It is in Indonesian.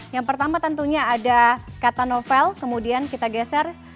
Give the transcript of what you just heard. yang pertama tentunya ada kata novel kemudian kita geser